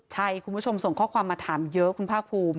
ใช่คุณผู้ชมส่งข้อความมาถามเยอะคุณภาคภูมิ